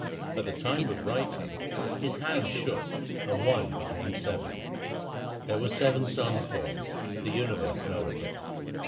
At the time of writing his hand shook and one became seven. There were seven sons born ; the universe knoweth it.